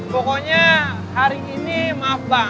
pokoknya hari ini maaf bang